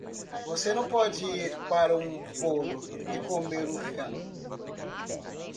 Você não pode ir para um bolo e comer um feno.